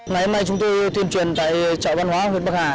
ngày hôm nay chúng tôi tuyên truyền tại chợ văn hóa huyện bắc hà